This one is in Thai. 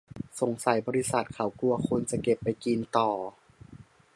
สงสัยบริษัทเขากลัวคนจะเก็บไปกินต่อ